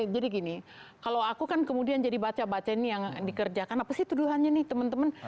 jadi gini kalau aku kan kemudian jadi baca baca ini yang dikerjakan apa sih tuduhannya nih temen temen